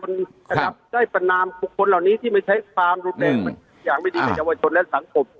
ครับได้ปันนามผู้คนเหล่านี้ที่ไม่ใช่ความรุนแรงก็มีอย่างไม่ดีข้างถนนและสังครบ